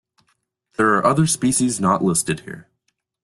There are other species not listed here.